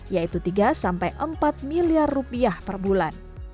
yaitu tiga sampai empat miliar rupiah per bulan